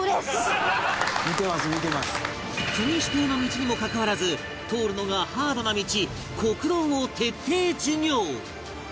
国指定の道にもかかわらず通るのがハードな道酷道を徹底授業！